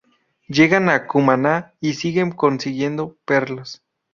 Llegan a Cumaná y siguen consiguiendo perlas.